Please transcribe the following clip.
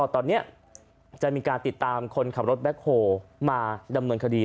ตอนนี้จะมีการติดตามคนขับรถแบ็คโฮมาดำเนินคดี